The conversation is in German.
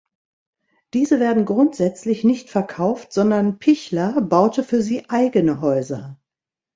Diese werden grundsätzlich nicht verkauft, sondern Pichler baute für sie eigene Häuser.